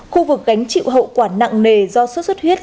khu vực gánh chịu hậu quả nặng nề do sốt xuất huyết